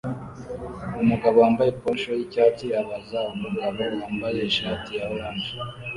Umugabo wambaye poncho yicyatsi abaza umugabo wambaye ishati ya orange